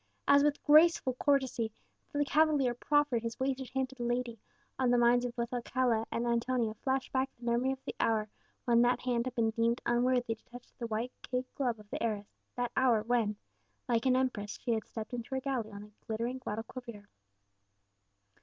As with graceful courtesy the cavalier proffered his wasted hand to the lady, on the minds of both Alcala and Antonia flashed back memory of the hour when that hand had been deemed unworthy to touch the white kid glove of the heiress that hour when, like an empress, she had stepped into her galley on the glittering Guadalquivir.